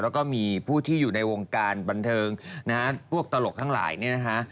แล้วก็มีผู้ที่อยู่ในวงการบันเทิงนะฮะพวกตลกทั้งหลายเนี่ยนะฮะ